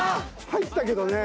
入ったけどね。